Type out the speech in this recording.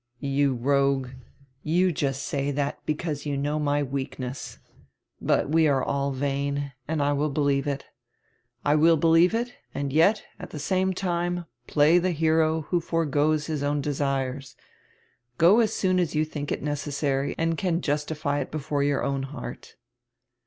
"You rogue, you just say drat because you know my weakness. But we are all vain, and I will believe it. I will believe it and yet, at the same time, play tire hero who fore goes his own desires. Go as soon as you think it necessary and can justify it before your own heart."